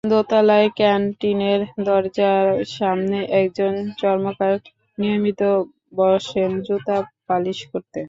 দোতলায় ক্যানটিনের দরজার সামনে একজন চর্মকার নিয়মিত বসেন জুতা পালিশ করতে।